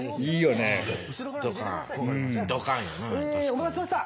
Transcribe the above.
お待たせしました。